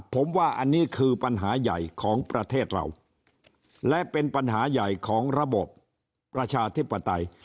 ผมว่าอันนี้คือปัญหาใหญ่ของประเทศเราและเป็นปัญหาใหญ่ของระบบประชาธิปไตย